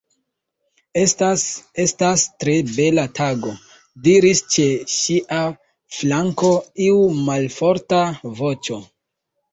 "Estas... estas tre bela tago," diris ĉe ŝia flanko iu malforta voĉo.